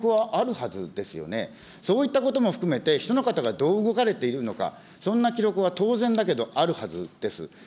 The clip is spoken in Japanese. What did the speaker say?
そういった記録はあるはずですよね、そういったことも含めて、秘書の方がどう動かれているのか、そんな記録は当然だけどあるはずです。